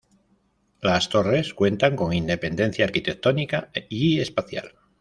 Las torres cuentan con independencia arquitectónica y espacial.